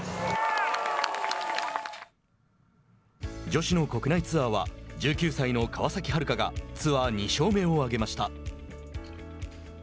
女子の国内ツアーは１９歳の川崎春花がツアー２勝目を挙げました。